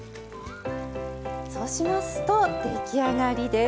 そうしますと出来上がりです。